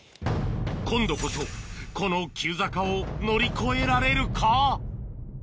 今度こそこの急坂を乗り越えられるか？